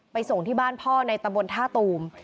ส่งที่บ้านพ่อในตำบลท่าตูม